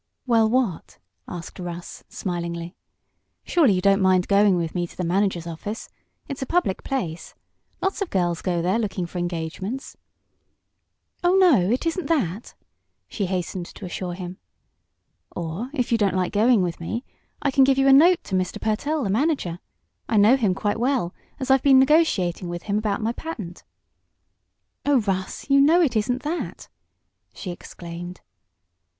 "Well, what?" asked Russ, smilingly. "Surely you don't mind going with me to the manager's office? It's a public place. Lots of girls go there, looking for engagements." "Oh, no, it isn't that!" she hastened to assure him. "Or, if you don't like going with me, I can give you a note to Mr. Pertell, the manager. I know him quite well, as I've been negotiating with him about my patent." "Oh, Russ, you know it isn't that!" she exclaimed.